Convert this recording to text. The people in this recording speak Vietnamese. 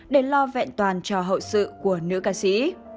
để lo vẹn toàn cho hậu sự của nữ ca sĩ